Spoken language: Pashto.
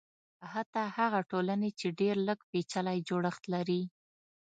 حتی هغه ټولنې چې ډېر لږ پېچلی جوړښت لري.